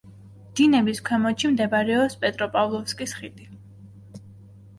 დინების ქვემოთში მდებარეობს პეტროპავლოვსკის ხიდი.